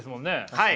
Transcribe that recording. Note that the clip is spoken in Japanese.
はい。